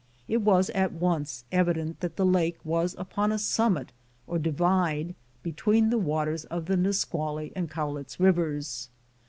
It was at once evident that the lake was upon a summit, or divide, between the waters of the Nisqually and Cowlitz rivers.